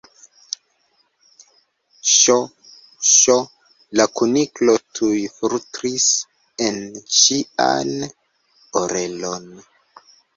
"Ŝ! Ŝ!" la Kuniklo tuj flustris en ŝian orelon.